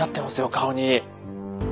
顔に。